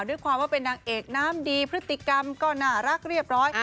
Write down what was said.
ด้วยความว่าเป็นนางเอกน้ำดีพฤติกรรมก็น่ารักเรียบร้อย